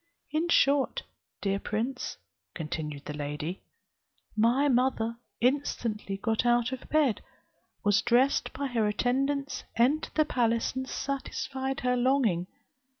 In short, dear prince," continued the lady, "my mother instantly got out of bed, was dressed by her attendants, entered the palace, and satisfied her longing.